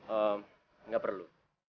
ehm enggak perlu